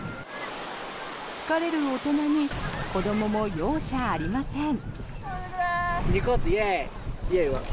疲れる大人に子どもも容赦ありません。